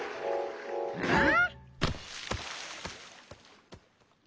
えっ？